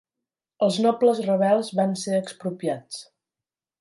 Els nobles rebels van ser expropiats.